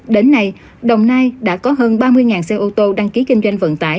đến nay đồng nai đã có hơn ba mươi xe ô tô đăng ký kinh doanh vận tải